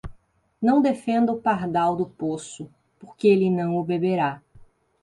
Não defenda o pardal do poço, porque ele não o beberá!